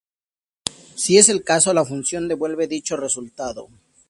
Si es el caso, la función devuelve dicho resultado.